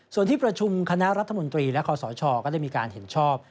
ส่วนที่ประชุมคณะรัฐมนตรีและคอสชก็ได้มีการเห็นชอบ